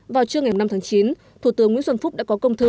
vào trưa ngày năm tháng chín thủ tướng nguyễn xuân phúc đã có công thư